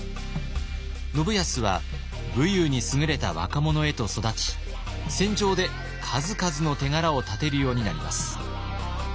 信康は武勇にすぐれた若者へと育ち戦場で数々の手柄をたてるようになります。